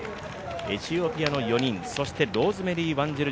エチオピアの４人そしてローズメリー・ワンジル